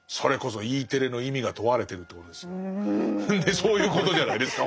そういうことじゃないですか。